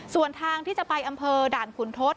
ส่วนทางที่จะไปอำเภอด่านขุนทศ